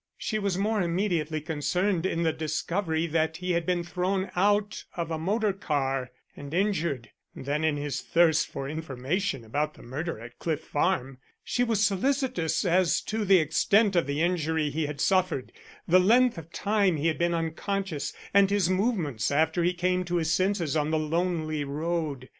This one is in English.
She was more immediately concerned in the discovery that he had been thrown out of a motor car and injured than in his thirst for information about the murder at Cliff Farm. She was solicitous as to the extent of the injury he had suffered, the length of time he had been unconscious, and his movements after he came to his senses on the lonely road.